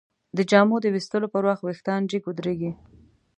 د جامو د ویستلو پر وخت وېښتان جګ ودریږي.